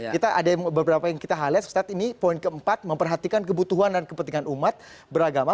kita ada beberapa yang kita highlight ustadz ini poin keempat memperhatikan kebutuhan dan kepentingan umat beragama